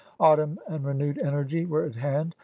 Autumn and renewed energy were at hand.